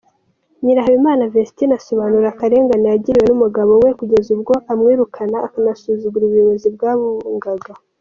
Nyirahabimana Vestine asobanura akarengane yagiriwe n’umugabo we kugeza ubwo amwirukana akanasuzugura ubuyobozi bwabungaga.